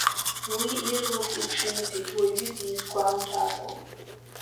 Уи ирлас иҽиӡеит, уаҩы дизгәамҭакәа.